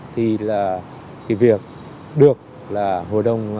thì là thì việc được là hội đồng